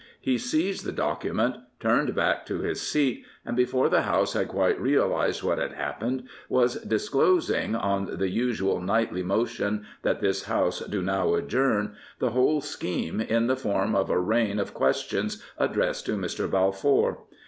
He seized the docu ment' turned back to his seat, and, before the House had quite realised what had happened, was disclosing, on the usual nightly motion that this House do now adjourn, the whole scheme in the form of a rain of questions addressed to Mr. Balfour.